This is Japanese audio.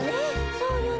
そうよね。